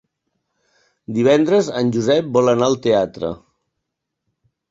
Divendres en Josep vol anar al teatre.